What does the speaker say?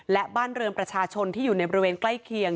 และบ้านเรือนประชาชนที่อยู่ในบริเวณใกล้เคียง